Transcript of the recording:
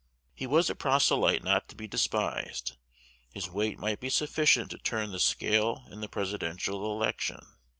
He was a proselyte not to be despised: his weight might be sufficient to turn the scale in the Presidential election.